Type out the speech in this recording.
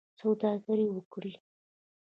سوداګري وکړئ